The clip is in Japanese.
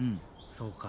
そうか。